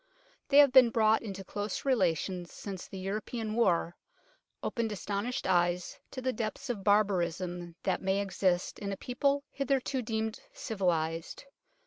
They have been brought into close rela tion since the European War opened astonished eyes to the depths of barbarism that may exist in a people hitherto deemed civilized.